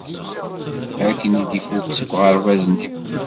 Akken i d-ifukk seg iɣerbaz-nni.